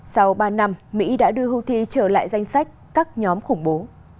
sau ba năm mỹ đã đưa houthi trở lại danh sách các nhóm khủng bố